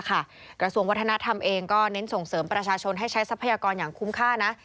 กระทรวงวัฒนธรรมเองก็เน้นส่งเสริมประชาชนให้ใช้ทรัพยากรอย่างคุ้มค่านะ